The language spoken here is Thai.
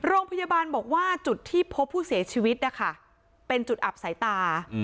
โรงพยาบาลบอกว่าจุดที่พบผู้เสียชีวิตนะคะเป็นจุดอับสายตา